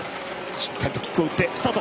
しっかりとキックを打ってスタート。